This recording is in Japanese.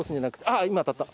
あっ今当たった。